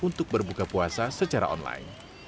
untuk berbuka puasa secara online